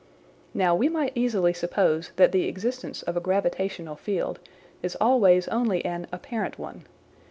Now we might easily suppose that the existence of a gravitational field is always only an apparent one.